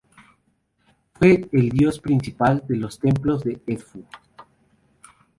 Fue el dios principal de los templos de Edfu.